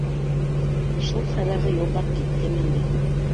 Шул хәбәрҙе юллап киттем инде.